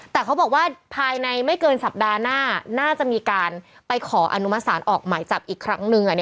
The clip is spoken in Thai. แต่เขาบอกว่าภายในไม่เกินสัปดาห์หน้าน่าจะมีการไปขออนุมัติศาลออกหมายจับอีกครั้งหนึ่ง